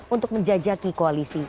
untuk menjajaki koalisi